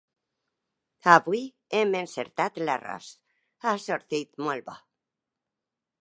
Avui hem encertat l'arròs: ha sortit molt bo!